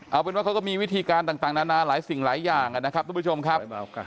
เอาเป็นว่าเขาก็มีวิธีการต่างนานาหลายสิ่งหลายอย่างนะครับทุกผู้ชมครับ